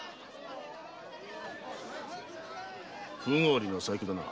風変わりな細工だな。